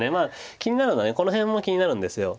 気になるのはこの辺も気になるんです。